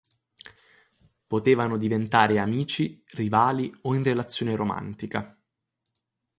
Potevano diventare amici, rivali o in relazione romantica.